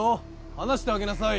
離してあげなさい！